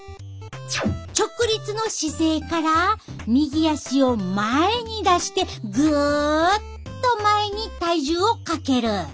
直立の姿勢から右足を前に出してぐっと前に体重をかける。